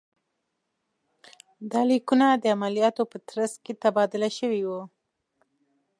دا لیکونه د عملیاتو په ترڅ کې تبادله شوي وو.